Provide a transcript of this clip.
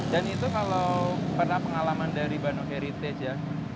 dan itu kalau pernah pengalaman dari banu heritage ya